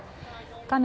画面